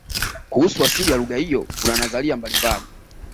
kuhusu asili ya lugha hiyo kuna nadharia mbalimbali